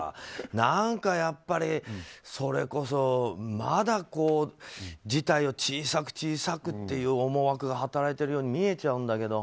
何かやっぱりそれこそまだ、事態を小さく小さくって思惑が働いてるように見えちゃうんだけど。